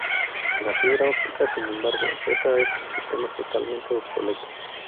La fibra óptica, sin embargo, deja a estos sistemas totalmente obsoletos.